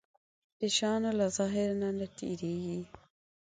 د شيانو له ظاهر نه تېرېږي.